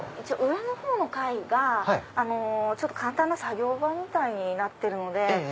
一応上の階が簡単な作業場みたいになってるので。